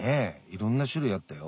いろんな種類あったよ。